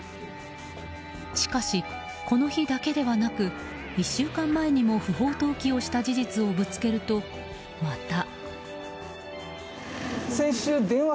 しかし、この日だけではなく１週間前にも不法投棄をした事実をぶつけると、また。